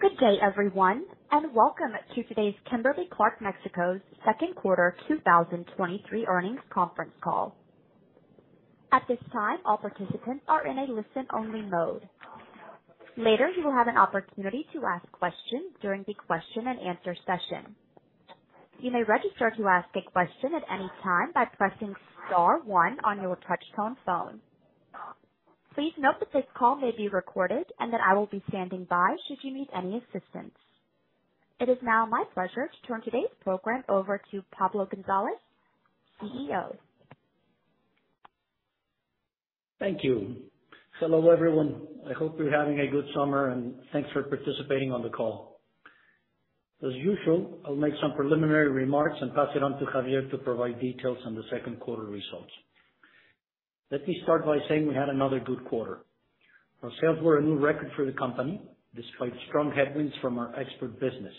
Good day, everyone, and welcome to today's Kimberly-Clark de México's Second Quarter 2023 Earnings Conference Call. At this time, all participants are in a listen-only mode. Later, you will have an opportunity to ask questions during the question and answer session. You may register to ask a question at any time by pressing star one on your touchtone phone. Please note that this call may be recorded, and that I will be standing by should you need any assistance. It is now my pleasure to turn today's program over to Pablo González, CEO. Thank you. Hello, everyone. I hope you're having a good summer, and thanks for participating on the call. As usual, I'll make some preliminary remarks and pass it on to Xavier to provide details on the second quarter results. Let me start by saying we had another good quarter. Our sales were a new record for the company, despite strong headwinds from our export business.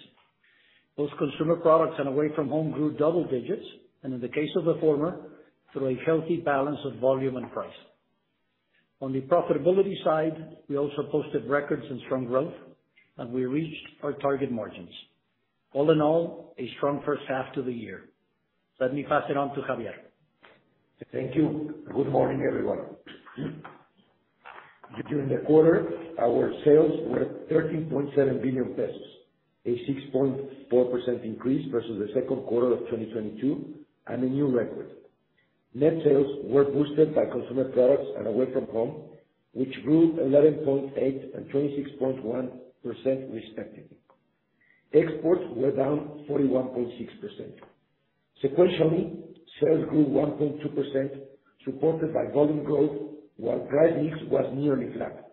Both consumer products and away-from-home grew double digits, and in the case of the former, through a healthy balance of volume and price. On the profitability side, we also posted records and strong growth, and we reached our target margins. All in all, a strong first half to the year. Let me pass it on to Xavier. Thank you. Good morning, everyone. During the quarter, our sales were 13.7 billion pesos, a 6.4% increase versus the second quarter of 2022 and a new record. Net sales were boosted by consumer products and away-from-home, which grew 11.8% and 26.1%, respectively. Exports were down 41.6%. Sequentially, sales grew 1.2%, supported by volume growth, while price mix was nearly flat.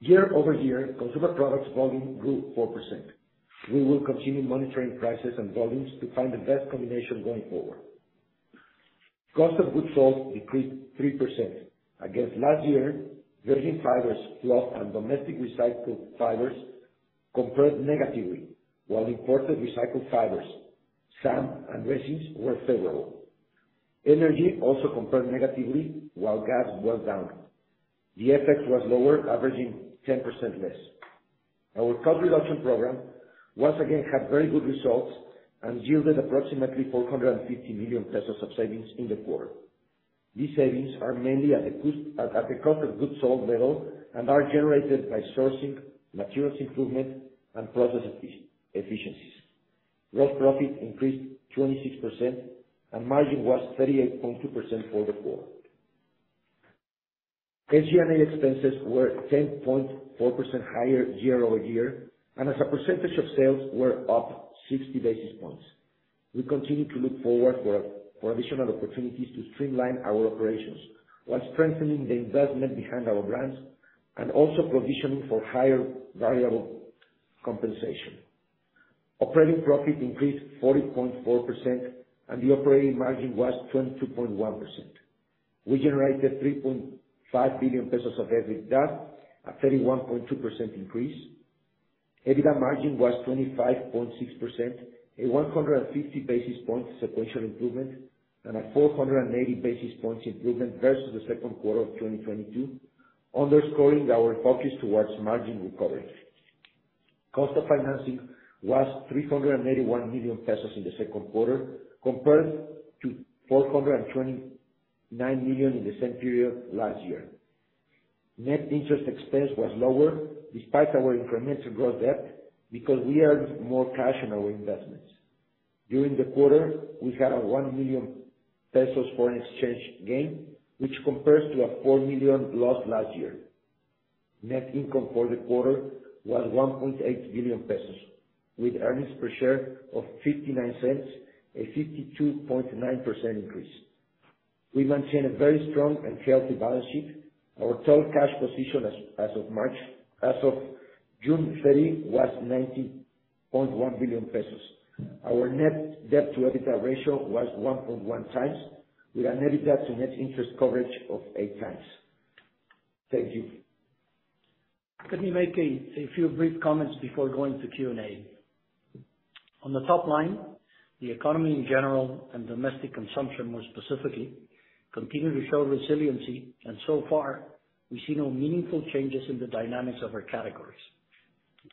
Year-over-year, consumer products volume grew 4%. We will continue monitoring prices and volumes to find the best combination going forward. cost of goods sold decreased 3%. Against last year, virgin fibers, fluff, and domestic recycled fibers compared negatively, while imported recycled fibers, SAM, and resins were favorable. Energy also compared negatively, while gas was down. The FX was lower, averaging 10% less. Our cost reduction program once again had very good results and yielded approximately 450 million pesos of savings in the quarter. These savings are mainly at the cost of goods sold level and are generated by sourcing, materials improvement, and process efficiencies. Gross profit increased 26%, and margin was 38.2% for the quarter. SG&A expenses were 10.4% higher year-over-year, and as a percentage of sales, were up 60 basis points. We continue to look forward for additional opportunities to streamline our operations while strengthening the investment behind our brands and also provisioning for higher variable compensation. Operating profit increased 40.4%, and the operating margin was 22.1%. We generated 3.5 billion pesos of EBITDA, a 31.2% increase. EBITDA margin was 25.6%, a 150 basis points sequential improvement and a 480 basis points improvement versus the second quarter of 2022, underscoring our focus towards margin recovery. Cost of financing was 381 million pesos in the second quarter, compared to 429 million in the same period last year. Net interest expense was lower, despite our incremental gross debt, because we earned more cash on our investments. During the quarter, we had a 1 million pesos foreign exchange gain, which compares to a 4 million loss last year. Net income for the quarter was 1.8 billion pesos, with earnings per share of 0.59, a 52.9% increase. We maintain a very strong and healthy balance sheet. Our total cash position as of June 30, was 90.1 billion pesos. Our net debt to EBITDA ratio was 1.1 times, with an EBITDA to net interest coverage of eight times. Thank you. Let me make a few brief comments before going to Q&A. On the top line, the economy in general, and domestic consumption more specifically, continue to show resiliency, and so far, we see no meaningful changes in the dynamics of our categories.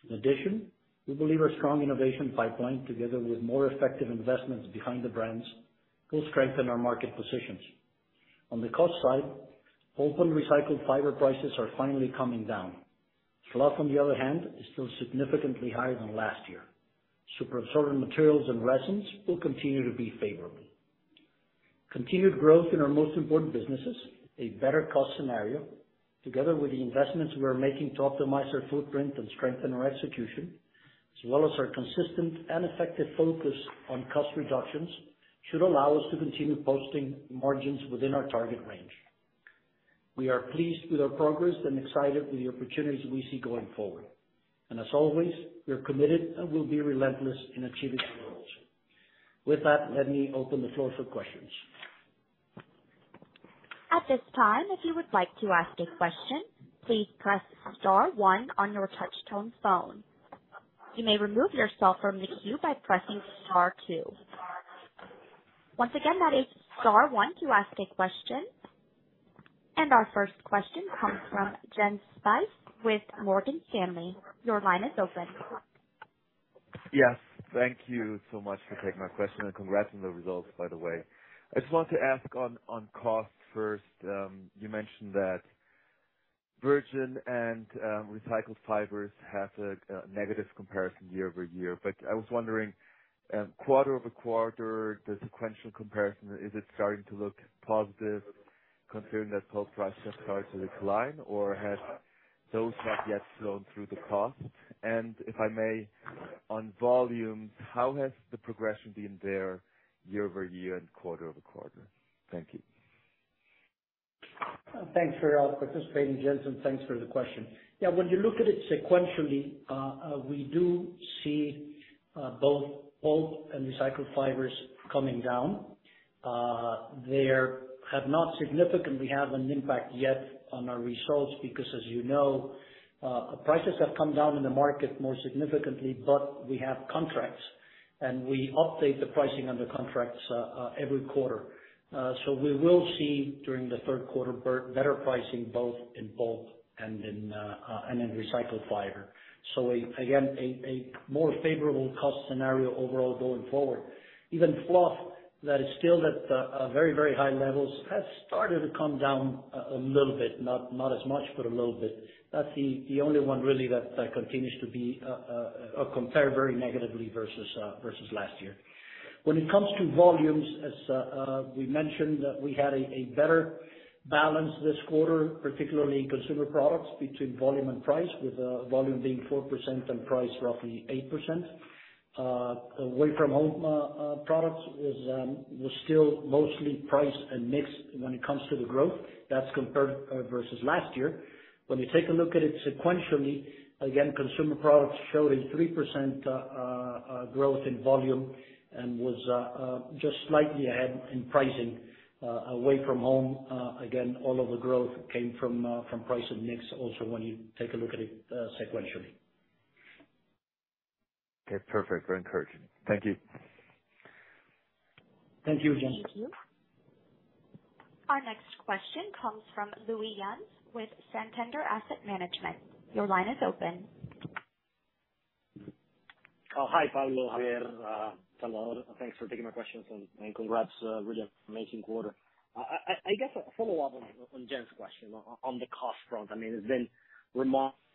In addition, we believe our strong innovation pipeline, together with more effective investments behind the brands, will strengthen our market positions. On the cost side, OCC recycled fiber prices are finally coming down. Fluff, on the other hand, is still significantly higher than last year. Superabsorbent materials and resins will continue to be favorable. Continued growth in our most important businesses, a better cost scenario, together with the investments we are making to optimize our footprint and strengthen our execution, as well as our consistent and effective focus on cost reductions, should allow us to continue posting margins within our target range. We are pleased with our progress and excited with the opportunities we see going forward. As always, we are committed and will be relentless in achieving our goals. With that, let me open the floor for questions. At this time, if you would like to ask a question, please press star one on your touchtone phone. You may remove yourself from the queue by pressing star two. Once again, that is star one to ask a question. Our first question comes from Jens Spiess with Morgan Stanley. Your line is open. Yes, thank you so much for taking my question. Congrats on the results, by the way. I just want to ask on cost first. You mentioned that virgin and recycled fibers have a negative comparison year-over-year. I was wondering, quarter-over-quarter, the sequential comparison, is it starting to look positive considering that pulp prices have started to decline? Have those not yet flown through the cost? If I may, on volume, how has the progression been there year-over-year and quarter-over-quarter? Thank you. Thanks for participating, Jens, and thanks for the question. When you look at it sequentially, we do see both pulp and recycled fibers coming down. They have not significantly had an impact yet on our results, because, as you know, prices have come down in the market more significantly, but we have contracts, and we update the pricing on the contracts every quarter. We will see, during the third quarter, better pricing, both in pulp and in recycled fiber. Again, a more favorable cost scenario overall going forward. Even fluff, that is still at very, very high levels, has started to come down a little bit, not as much, but a little bit. That's the only one really that continues to be compare very negatively versus versus last year. When it comes to volumes, as we mentioned, we had a better balance this quarter, particularly in consumer products, between volume and price, with volume being 4% and price roughly 8%. Away-from-home products is was still mostly price and mix when it comes to the growth. That's compared versus last year. When you take a look at it sequentially, again, consumer products showed a 3% growth in volume and was just slightly ahead in pricing, away-from-home. Again, all of the growth came from price and mix also when you take a look at it sequentially. Okay, perfect. Very encouraging. Thank you. Thank you, Jens. Thank you. Our next question comes from Luis Yance, with Santander Asset Management. Your line is open. Hi, Pablo, Xavier, hello, thanks for taking my questions, and congrats, really amazing quarter. I guess a follow-up on Jens' question, on the cost front. I mean, it's been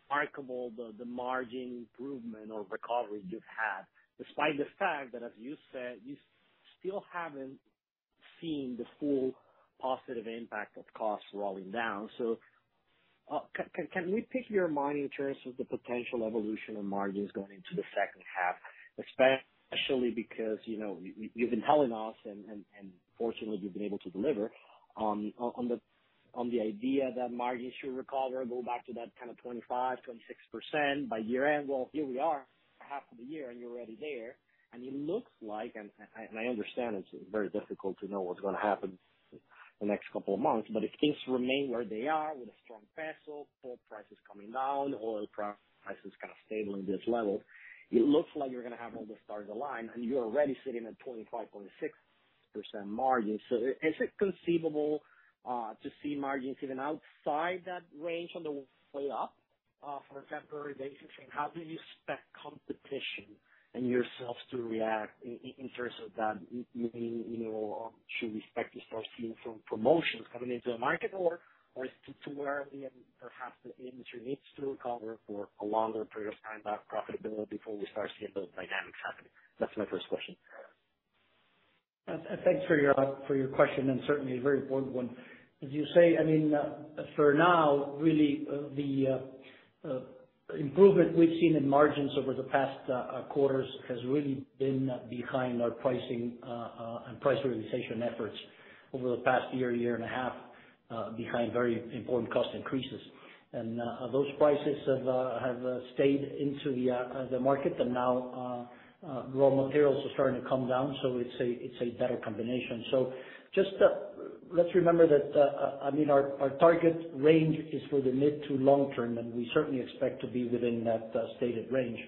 remarkable, the margin improvement or recovery you've had, despite the fact that, as you said, you still haven't seen the full positive impact of costs rolling down. Can we pick your mind in terms of the potential evolution of margins going into the second half? Especially because, you know, you've been telling us, and fortunately you've been able to deliver on the idea that margins should recover, go back to that kind of 25%-26% by year-end. Well, here we are, half of the year, and you're already there, and it looks like, and I understand it's very difficult to know what's gonna happen the next couple of months, but if things remain where they are with a strong super peso, pulp prices coming down, oil prices kind of stable in this level, it looks like you're gonna have all the stars align, and you're already sitting at 25.6% margin. Is it conceivable, to see margins even outside that range on the way up, for a temporary basis? How do you expect competition and yourself to react in terms of that, meaning, you know, should we expect to start seeing some promotions coming into the market, or is it too early and perhaps the industry needs to recover for a longer period of time, that profitability, before we start seeing those dynamics happening? That's my first question. ` Thanks for your question, and certainly a very important one. As you say, I mean, uh, for now, really, uh, the improvement we've seen in margins over the past, uh, quarters has really been behind our pricing, uh, and price realization efforts over the past year and a half, uh, behind very important cost increases. And, uh, those prices have, uh, have, uh, stayed into the, uh, the market, and now, uh, raw materials are starting to come down, so it's a, it's a better combination. So just, uh, let's remember that, uh, I mean, our target range is for the mid to long term, and we certainly expect to be within that, uh, stated range.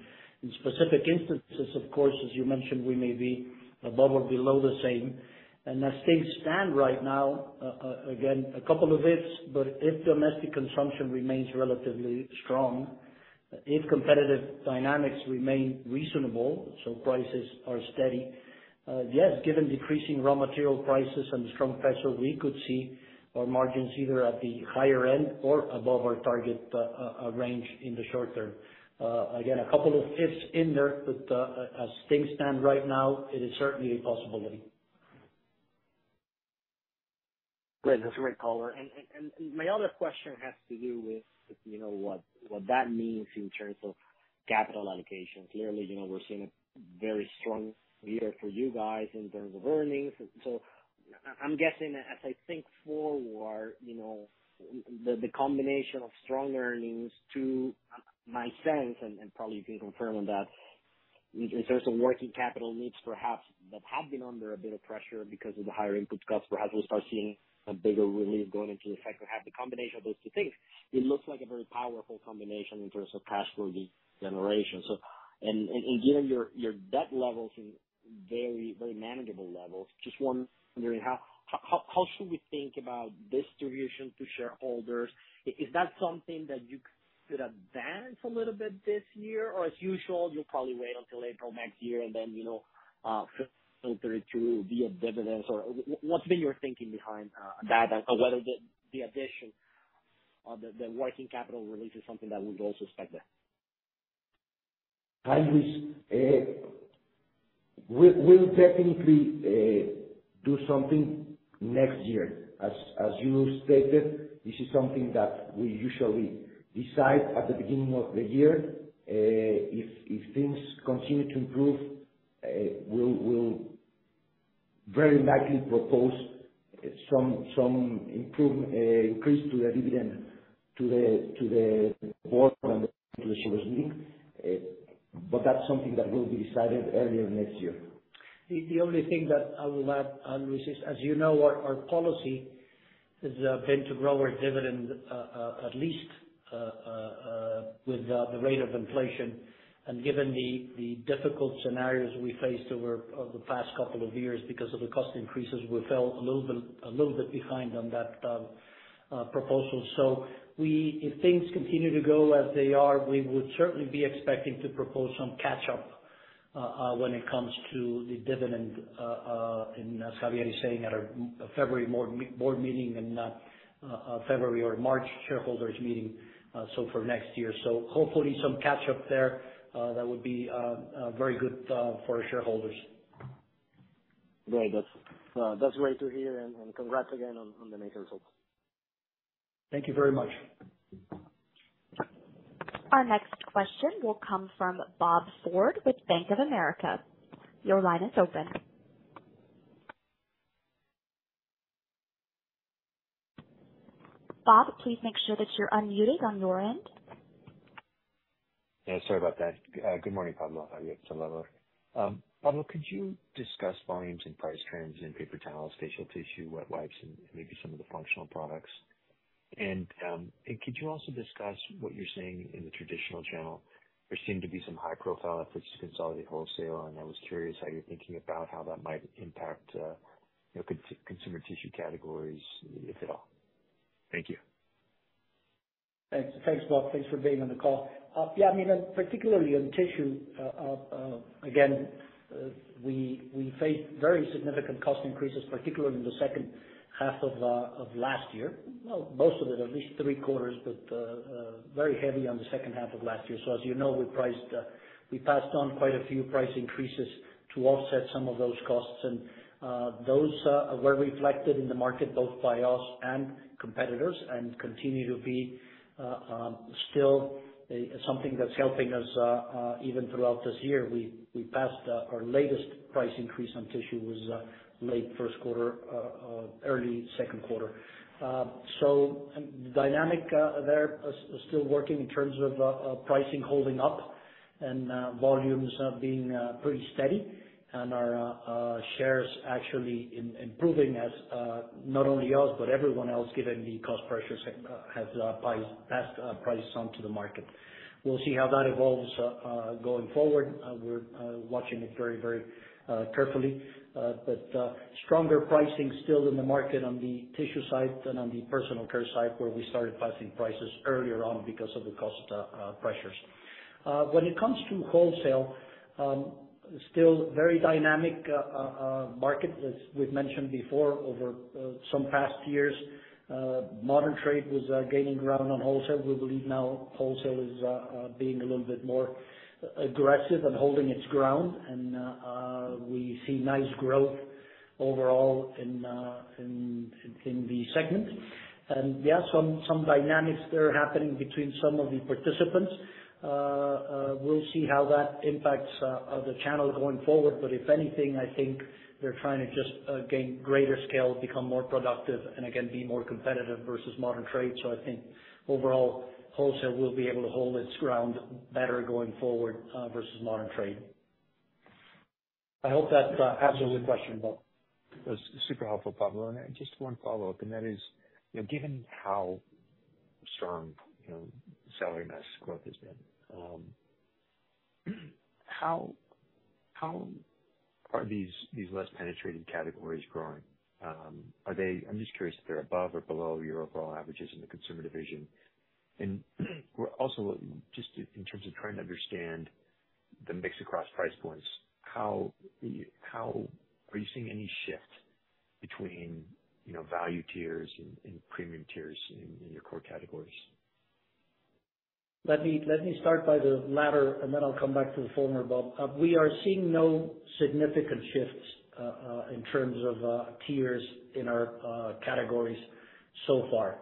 In specific instances, of course, as you mentioned, we may be above or below the same. As things stand right now, again, a couple of ifs, but if domestic consumption remains relatively strong, if competitive dynamics remain reasonable, so prices are steady, yes, given decreasing raw material prices and the strong pressure, we could see our margins either at the higher end or above our target range in the short term. Again, a couple of ifs in there, but as things stand right now, it is certainly a possibility. Great. That's a great color. My other question has to do with, you know, what that means in terms of capital allocations. Clearly, you know, we're seeing a very strong year for you guys in terms of earnings. I'm guessing, as I think forward, you know, the combination of strong earnings to my sense, and probably you can confirm on that, in terms of working capital needs, perhaps, that have been under a bit of pressure because of the higher input costs, perhaps we'll start seeing a bigger relief going into the second half. The combination of those two things, it looks like a very powerful combination in terms of cash flow generation. Given your debt levels very manageable levels, just one wondering how should we think about distribution to shareholders? Is that something that you could advance a little bit this year? Or as usual, you'll probably wait until April next year and then, you know, filter it through via dividends, or what's been your thinking behind that, and whether the addition of the working capital release is something that we'd also expect there? Hi, Luis. We'll definitely do something next year. As you stated, this is something that we usually decide at the beginning of the year. If things continue to improve, we'll very likely propose some increase to the dividend, to the board and to the shareholders' meeting. That's something that will be decided earlier next year. The only thing that I will add, Luis, as you know, our policy has been to grow our dividend at least with the rate of inflation. Given the difficult scenarios we faced over the past couple of years because of the cost increases, we fell a little bit behind on that proposal. If things continue to go as they are, we would certainly be expecting to propose some catch-up when it comes to the dividend, and as Xavier is saying, at our February board meeting, and February or March shareholders' meeting, so for next year. Hopefully some catch-up there, that would be very good for our shareholders. Great. That's great to hear, and congrats again on the main results. Thank you very much. Our next question will come from Bob Ford with Bank of America. Your line is open. Bob, please make sure that you're unmuted on your end. Yeah, sorry about that. Good morning, Pablo, Xavier. Pablo, could you discuss volumes and price trends in paper towels, facial tissue, wet wipes, and maybe some of the functional products? Could you also discuss what you're seeing in the traditional channel? There seem to be some high-profile efforts to consolidate wholesale, and I was curious how you're thinking about how that might impact, you know, consumer tissue categories, if at all. Thank you. Thanks. Thanks, Bob. Thanks for being on the call. Yeah, I mean, particularly on tissue, again, we faced very significant cost increases, particularly in the second half of last year. Well, most of it, at least three quarters, but very heavy on the second half of last year. As you know, we priced, we passed on quite a few price increases to offset some of those costs, and those were reflected in the market, both by us and competitors, and continue to be still something that's helping us even throughout this year. We passed our latest price increase on tissue was late first quarter, early second quarter. Dynamic, there is still working in terms of pricing holding up and volumes being pretty steady, and our shares actually improving as not only us, but everyone else, given the cost pressures, have passed prices on to the market. We'll see how that evolves going forward. We're watching it very carefully. Stronger pricing still in the market on the tissue side and on the personal care side, where we started passing prices earlier on because of the cost pressures. When it comes to wholesale, still very dynamic market. As we've mentioned before, over some past years, modern trade was gaining ground on wholesale. We believe now wholesale is being a little bit more aggressive and holding its ground. We see nice growth overall in the segment. Yeah, some dynamics there happening between some of the participants. We'll see how that impacts the channel going forward, but if anything, I think they're trying to just gain greater scale, become more productive, and again, be more competitive versus modern trade. I think overall, wholesale will be able to hold its ground better going forward versus modern trade. I hope that answers your question, Bob. That's super helpful, Pablo. Just one follow-up, and that is, you know, given how strong, you know, selling this growth has been, how are these less penetrated categories growing? I'm just curious if they're above or below your overall averages in the consumer division. We're also, just in terms of trying to understand the mix across price points, how are you seeing any shift between, you know, value tiers and premium tiers in your core categories? Let me start by the latter, then I'll come back to the former, Bob. We are seeing no significant shifts in terms of tiers in our categories so far.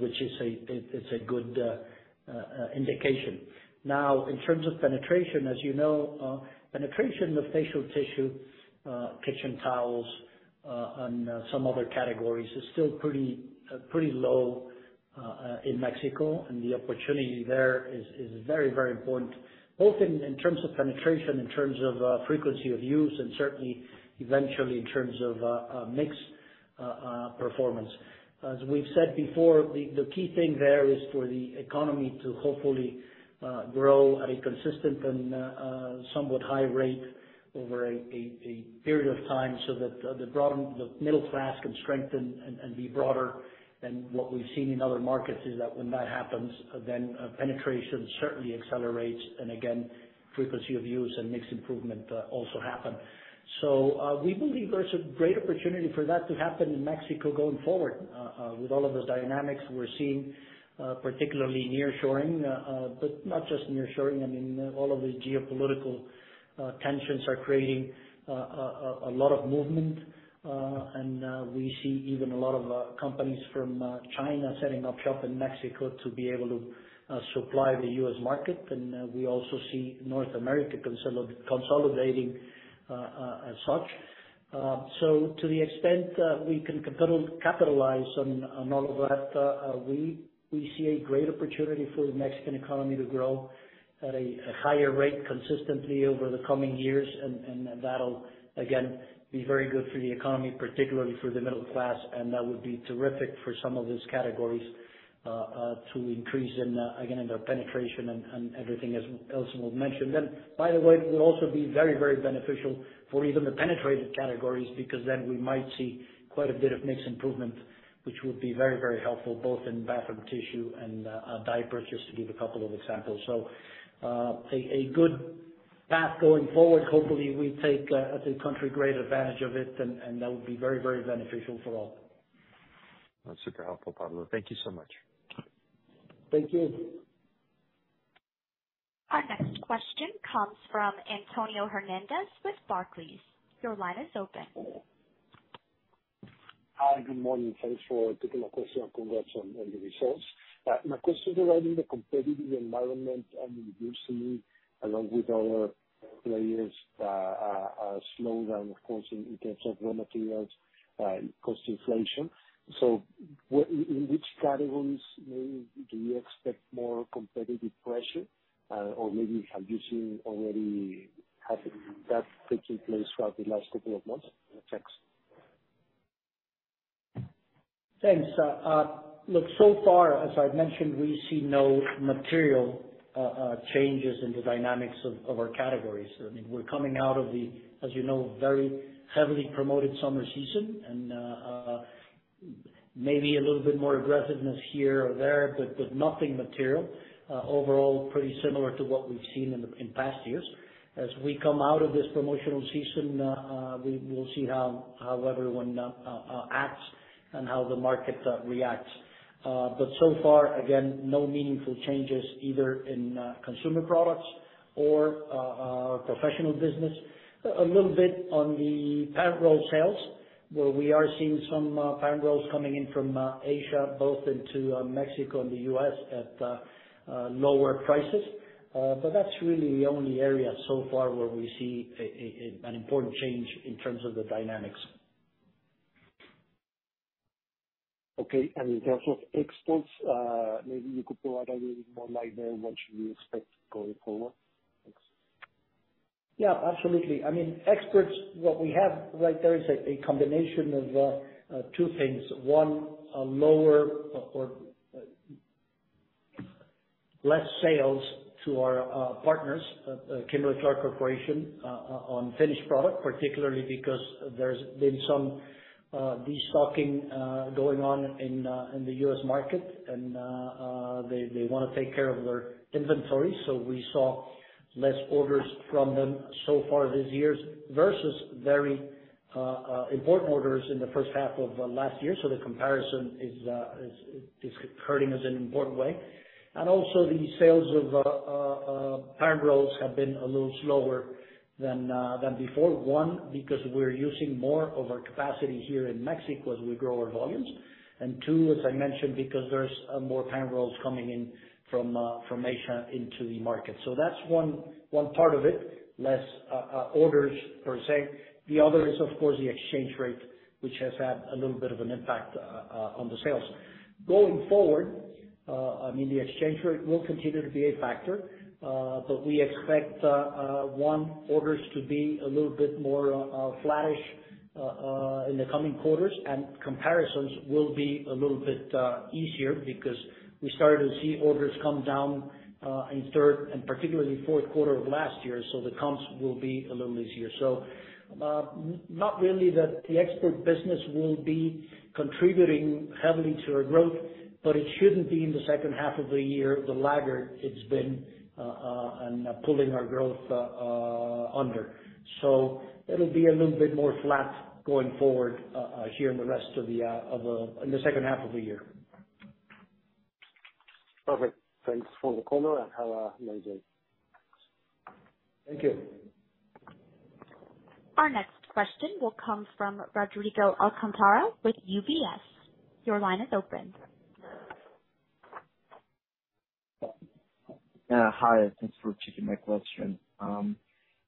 Which is a good indication. In terms of penetration, as you know, penetration of facial tissue, kitchen towels, and some other categories, is still pretty low in Mexico. The opportunity there is very important, both in terms of penetration, in terms of frequency of use, and certainly eventually in terms of mix performance. As we've said before, the key thing there is for the economy to hopefully grow at a consistent and somewhat high rate over a period of time, so that the broad, the middle class can strengthen and be broader. What we've seen in other markets is that when that happens, then penetration certainly accelerates, and again, frequency of use and mixed improvement also happen. We believe there's a great opportunity for that to happen in Mexico going forward with all of the dynamics we're seeing, particularly nearshoring, but not just nearshoring, I mean, all of the geopolitical tensions are creating a lot of movement. We see even a lot of companies from China setting up shop in Mexico to be able to supply the U.S. market. We also see North America consolidating as such. To the extent we can capitalize on all of that, we see a great opportunity for the Mexican economy to grow at a higher rate consistently over the coming years. That'll again, be very good for the economy, particularly for the middle class, and that would be terrific for some of these categories to increase in again, in their penetration and everything as [Elsmo] mentioned. By the way, it will also be very, very beneficial for even the penetrated categories, because then we might see quite a bit of mix improvement, which would be very, very helpful both in bathroom tissue and diapers, just to give a couple of examples. A good path going forward. Hopefully, we take as a country, great advantage of it, and that would be very, very beneficial for all. That's super helpful, Pablo. Thank you so much. Thank you. Our next question comes from Antonio Hernández with Barclays. Your line is open. Hi, good morning. Thanks for taking my question. Congrats on the results. My question regarding the competitive environment and you're seeing, along with other players, a slowdown, of course, in terms of raw materials, cost inflation. In which categories maybe do you expect more competitive pressure? Or maybe have you seen already have that taking place throughout the last couple of months? Thanks. Thanks. Look, so far, as I've mentioned, we see no material changes in the dynamics of our categories. I mean, we're coming out of the, as you know, very heavily promoted summer season and maybe a little bit more aggressiveness here or there, but nothing material. Overall, pretty similar to what we've seen in past years. As we come out of this promotional season, we will see how everyone acts and how the market reacts. But so far, again, no meaningful changes either in consumer products or professional business. A little bit on the parent roll sales, where we are seeing some parent rolls coming in from Asia, both into Mexico and the U.S. at lower prices. That's really the only area so far where we see an important change in terms of the dynamics. Okay. In terms of exports, maybe you could provide a little more light there. What should we expect going forward? Thanks. Yeah, absolutely. I mean, exports, what we have right there is a combination of two things. One, a lower or less sales to our partners, Kimberly-Clark Corporation, on finished product, particularly because there's been some destocking going on in the U.S. market, and they wanna take care of their inventory. We saw less orders from them so far this year, versus very important orders in the first half of last year. The comparison is hurting us in an important way. Also, the sales of parent rolls have been a little slower than before. One, because we're using more of our capacity here in Mexico as we grow our volumes. Two, as I mentioned, because there's more parent rolls coming in from Asia into the market. That's one part of it, less orders per se. The other is, of course, the exchange rate, which has had a little bit of an impact on the sales. Going forward, I mean, the exchange rate will continue to be a factor, but we expect one, orders to be a little bit more flattish in the coming quarters. Comparisons will be a little bit easier because we started to see orders come down in third and particularly fourth quarter of last year, so the comps will be a little easier. Not really that the export business will be contributing heavily to our growth, but it shouldn't be in the second half of the year, the lagger it's been and pulling our growth under. It'll be a little bit more flat going forward here in the rest of the in the second half of the year. Perfect. Thanks for the call and have a nice day. Thank you. Our next question will come from Rodrigo Alcántara with UBS. Your line is open. Hi, thanks for taking my question.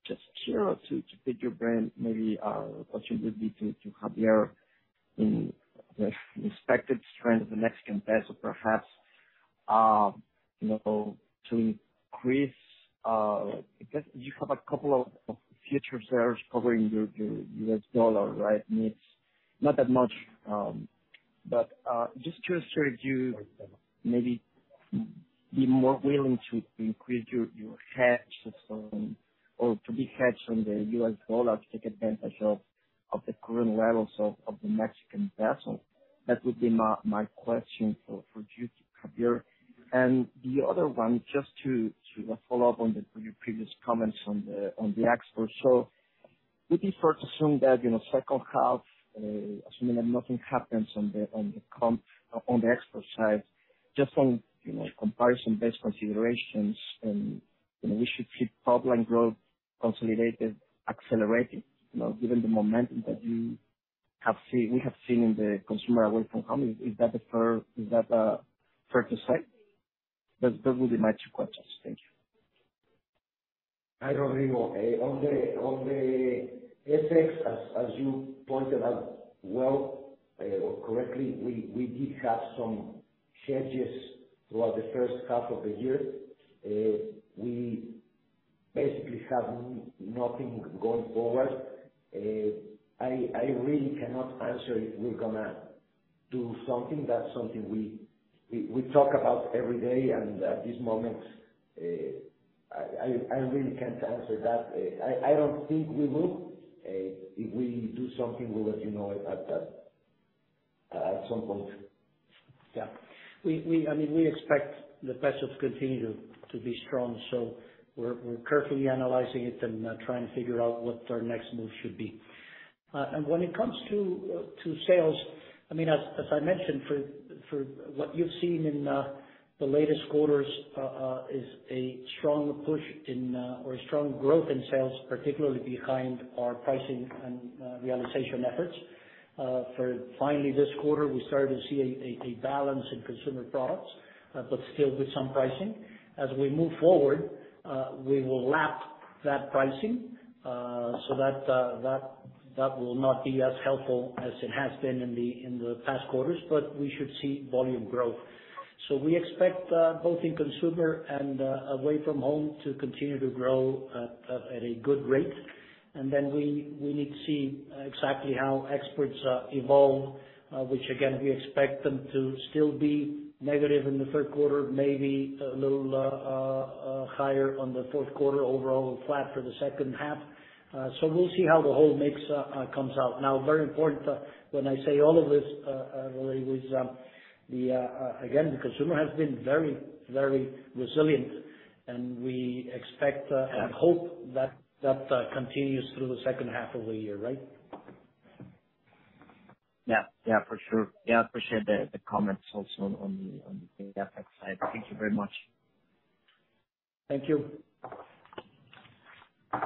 Just curious to pick your brain, maybe, alternatively to Xavier, in the expected strength of the Mexican peso, perhaps? You know, to increase, because you have a couple of future sales covering your U.S. dollar, right? It's not that much, but just to assure you maybe be more willing to increase your hedge system or to be hedged on the U.S. dollar to take advantage of the current levels of the Mexican peso. That would be my question for you, Xavier. The other one, just to follow up on your previous comments on the export. Would be fair to assume that, you know, second half, assuming that nothing happens on the export side, just from, you know, comparison-based considerations and, you know, we should see top line growth consolidated, accelerating, you know, given the momentum that we have seen in the consumer away-from-home. Is that fair to say? That would be my two questions. Thank you. Hi, Rodrigo. On the FX, as you pointed out well, or correctly, we did have some hedges throughout the first half of the year. We basically have nothing going forward. I really cannot answer if we're gonna do something. That's something we talk about every day, and at this moment, I really can't answer that. I don't think we will. If we do something, we'll let you know it at some point. Yeah. We I mean, we expect the pesos to continue to be strong, so we're carefully analyzing it and trying to figure out what our next move should be. When it comes to sales, I mean, as I mentioned, for what you've seen in the latest quarters, is a strong push in or a strong growth in sales, particularly behind our pricing and realization efforts. For finally, this quarter, we started to see a balance in consumer products, but still with some pricing. As we move forward, we will lap that pricing, so that will not be as helpful as it has been in the past quarters, but we should see volume growth. We expect both in consumer products and away-from-home to continue to grow at a good rate. We need to see exactly how exports evolve, which again, we expect them to still be negative in the third quarter, maybe a little higher on the fourth quarter, overall flat for the second half. We'll see how the whole mix comes out. Very important, when I say all of this really is again, the consumer has been very, very resilient, and we expect and hope that continues through the second half of the year, right? Yeah. Yeah, for sure. Yeah, appreciate the comments also on the, on the FX side. Thank you very much. Thank you. As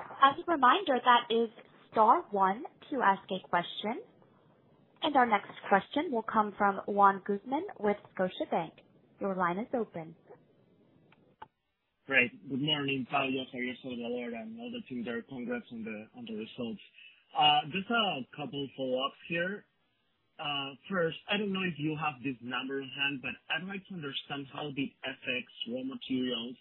a reminder, that is star one to ask a question. Our next question will come from Juan Guzman with Scotiabank. Your line is open. Great. Good morning, Pablo, Xavier, and all the team there. Congrats on the results. Just a couple follow-ups here. First, I don't know if you have this number in hand, but I'd like to understand how the FX raw materials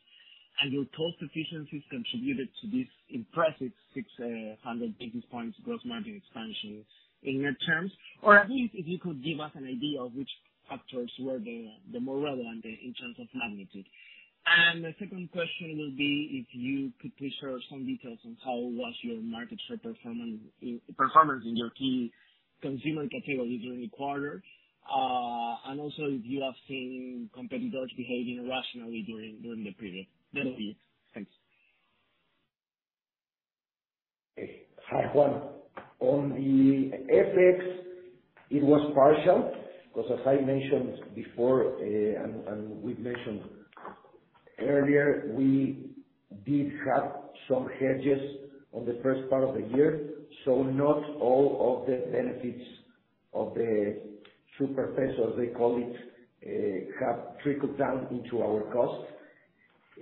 and your cost efficiencies contributed to this impressive 600 basis points gross margin expansion in net terms, or at least if you could give us an idea of which factors were the more relevant in terms of magnitude? The second question will be if you could please share some details on how was your market share performance in your key consumer categories during the quarter, and also if you have seen competitors behaving rationally during the period? That's it. Thanks. Hi, Juan. On the FX, it was partial, because as I mentioned before, and we've mentioned earlier, we did have some hedges on the first part of the year, not all of the benefits of the super peso, as they call it, have trickled down into our costs.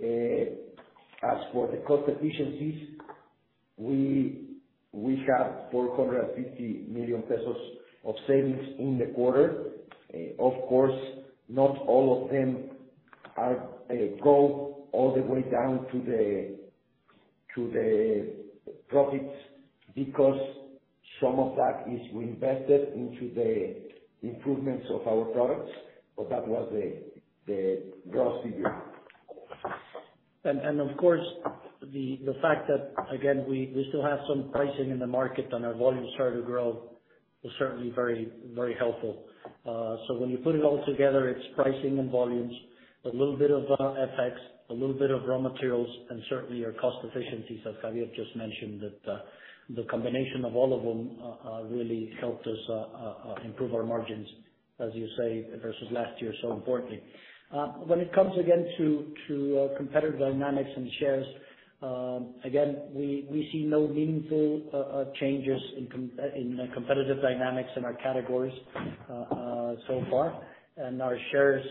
As for the cost efficiencies, we have 450 million pesos of savings in the quarter. Of course, not all of them are go all the way down to the profits, because some of that is reinvested into the improvements of our products, that was the gross figure. Of course, the fact that, again, we still have some pricing in the market and our volumes start to grow is certainly very, very helpful. When you put it all together, it's pricing and volumes, a little bit of FX, a little bit of raw materials, and certainly our cost efficiencies, as Xavier just mentioned, that the combination of all of them really helped us improve our margins, as you say, versus last year, so importantly. When it comes again to competitor dynamics and shares, again, we see no meaningful changes in the competitive dynamics in our categories so far. Our shares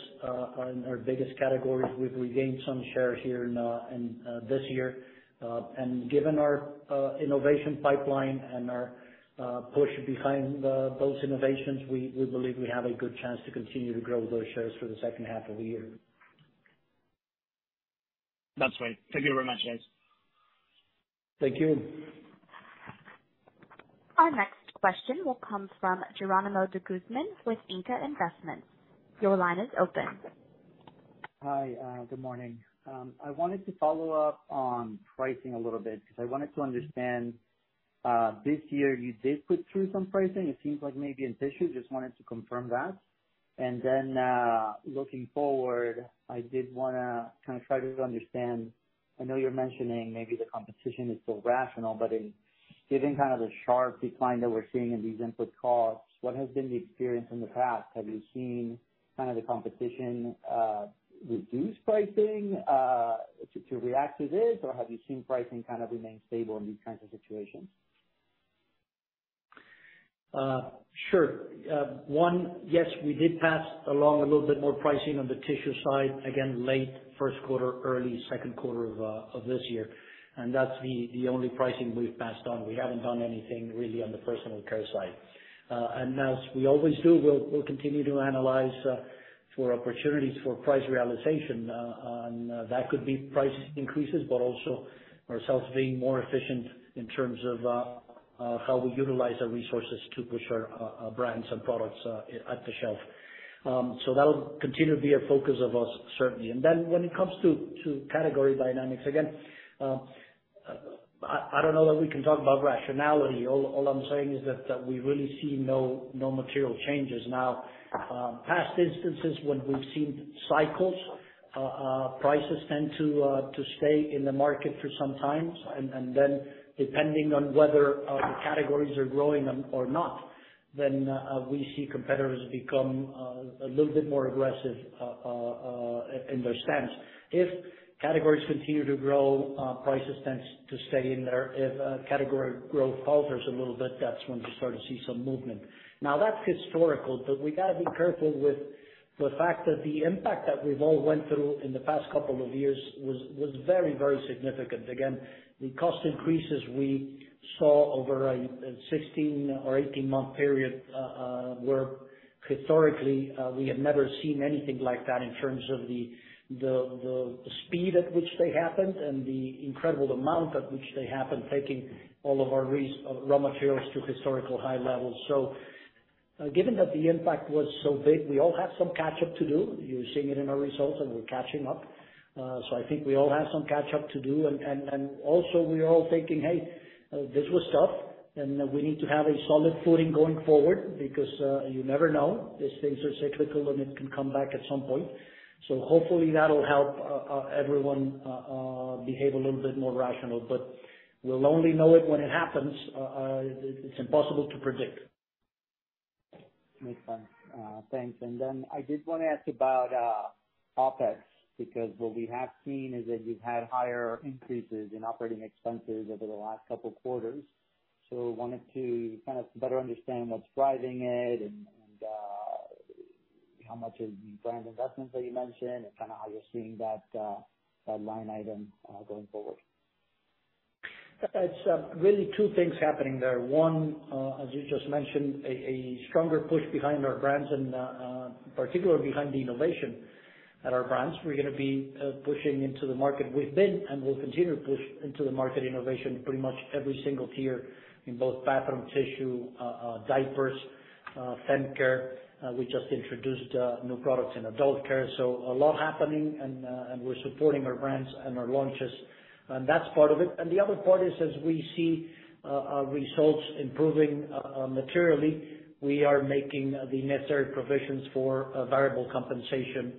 in our biggest categories, we've regained some shares here in this year. Given our innovation pipeline and our push behind those innovations, we believe we have a good chance to continue to grow those shares for the second half of the year. That's right. Thank you very much, guys. Thank you. Our next question will come from Jeronimo de Guzman with INCA Investments. Your line is open. Hi, good morning. I wanted to follow up on pricing a little bit, because I wanted to understand, this year you did put through some pricing. It seems like maybe in tissue, just wanted to confirm that. Looking forward, I did want to kind of try to understand, I know you're mentioning maybe the competition is still rational, but in given kind of the sharp decline that we're seeing in these input costs, what has been the experience in the past? Have you seen kind of the competition reduce pricing to react to this? Or have you seen pricing kind of remain stable in these kinds of situations? Sure. One, yes, we did pass along a little bit more pricing on the tissue side, again, late first quarter, early second quarter of this year. That's the only pricing we've passed on. We haven't done anything really on the personal care side. As we always do, we'll continue to analyze for opportunities for price realization, and that could be price increases, but also ourselves being more efficient in terms of how we utilize our resources to push our brands and products at the shelf. That'll continue to be a focus of us, certainly. When it comes to category dynamics, again, I don't know that we can talk about rationality. All I'm saying is that we really see no material changes. Past instances when we've seen cycles, prices tend to stay in the market for some time, and then depending on whether the categories are growing or not, then we see competitors become a little bit more aggressive in their stance. If categories continue to grow, prices tends to stay in there. If category growth falters a little bit, that's when you start to see some movement. That's historical, but we gotta be careful with the fact that the impact that we've all went through in the past couple of years was very, very significant. The cost increases we saw over a 16 or 18-month period were historically, we had never seen anything like that in terms of the speed at which they happened and the incredible amount at which they happened, taking all of our raw materials to historical high levels. Given that the impact was so big, we all have some catch up to do. You're seeing it in our results, and we're catching up. I think we all have some catch up to do. Also we're all thinking, "Hey, this was tough, and we need to have a solid footing going forward," because you never know, these things are cyclical, and it can come back at some point. Hopefully, that'll help everyone behave a little bit more rational, but we'll only know it when it happens. It's impossible to predict. Makes sense. Thanks. I did wanna ask about OpEx, because what we have seen is that you've had higher increases in operating expenses over the last couple quarters. Wanted to kind of better understand what's driving it and, how much is the brand investments that you mentioned, and kind of how you're seeing that line item, going forward. That's really two things happening there. One, as you just mentioned, a stronger push behind our brands and particularly behind the innovation at our brands. We're going to be pushing into the market. We've been, and will continue to push into the market innovation pretty much every single tier in both bathroom tissue, diapers, fem care. We just introduced new products in adult care, so a lot happening and we're supporting our brands and our launches, and that's part of it. The other part is as we see results improving materially, we are making the necessary provisions for variable compensation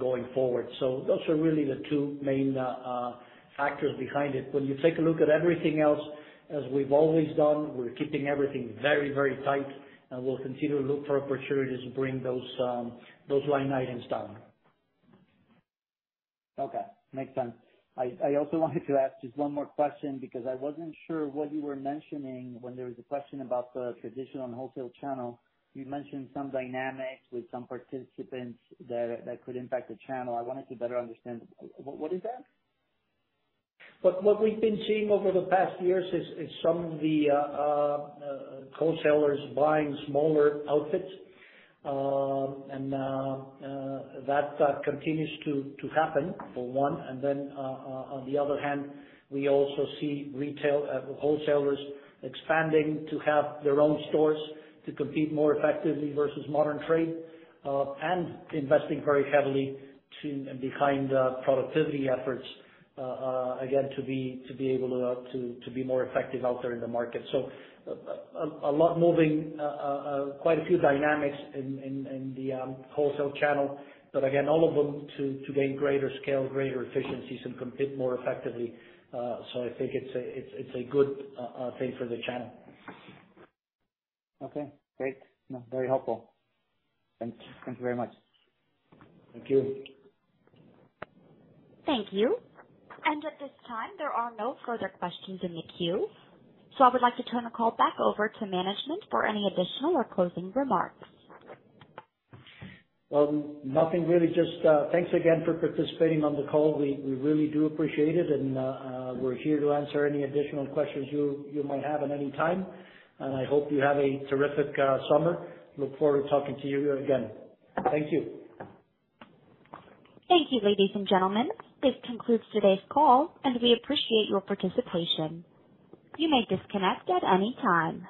going forward. Those are really the two main factors behind it. When you take a look at everything else, as we've always done, we're keeping everything very, very tight, and we'll continue to look for opportunities to bring those line items down. Okay, makes sense. I also wanted to ask just one more question, because I wasn't sure what you were mentioning when there was a question about the traditional and wholesale channel. You mentioned some dynamics with some participants that could impact the channel. I wanted to better understand, what is that? What we've been seeing over the past years is some of the wholesalers buying smaller outfits. That continues to happen, for one, and then on the other hand, we also see retail wholesalers expanding to have their own stores to compete more effectively versus modern trade and investing very heavily behind productivity efforts again to be able to be more effective out there in the market. A lot moving quite a few dynamics in the wholesale channel, but again, all of them to gain greater scale, greater efficiencies, and compete more effectively. I think it's a good thing for the channel. Okay, great. No, very helpful. Thank you very much. Thank you. Thank you. At this time, there are no further questions in the queue, so I would like to turn the call back over to management for any additional or closing remarks. Well, nothing really. Just, thanks again for participating on the call. We really do appreciate it, and, we're here to answer any additional questions you might have at any time. I hope you have a terrific summer. Look forward to talking to you again. Thank you. Thank you, ladies and gentlemen. This concludes today's call, and we appreciate your participation. You may disconnect at any time.